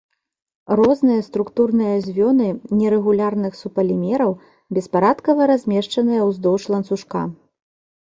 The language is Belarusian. Розныя структурныя звёны нерэгулярных супалімераў беспарадкава размешчаныя ўздоўж ланцужка.